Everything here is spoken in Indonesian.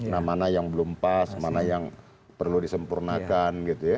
nah mana yang belum pas mana yang perlu disempurnakan gitu ya